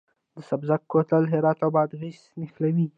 د سبزک کوتل هرات او بادغیس نښلوي